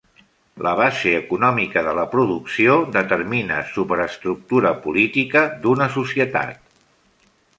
La base econòmica de la producció determina superestructura política d'una societat.